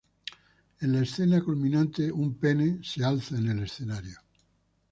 En la escena culminante, un pene es alzado en el escenario.